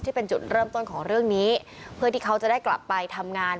เป็นจุดเริ่มต้นของเรื่องนี้เพื่อที่เขาจะได้กลับไปทำงาน